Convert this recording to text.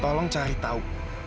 tolong cari tahu